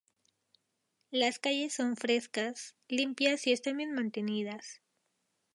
Las calles son frescas, limpias y están bien mantenidas.